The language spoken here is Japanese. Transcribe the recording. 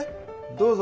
どうぞ。